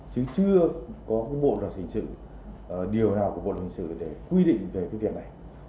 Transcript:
chứ chưa có cái bộ luật hình sự điều nào của bộ luật hình sự để quy định về cái việc này